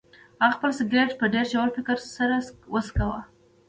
هغه خپل سګرټ په ډیر ژور فکر سره وڅکاوه.